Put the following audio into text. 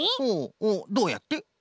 ほうどうやって？